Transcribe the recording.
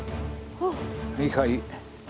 はいはい。